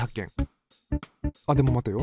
あっでも待てよ。